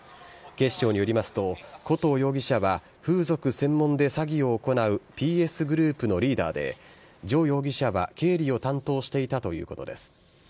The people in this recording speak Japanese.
警視庁によりますと、古藤容疑者は風俗専門で詐欺を行うＰＳグループのリーダーで、徐容疑者は経理を担当していたということです。